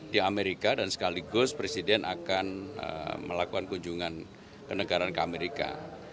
di amerika dan sekaligus presiden akan melakukan kunjungan ke negaraan ke amerika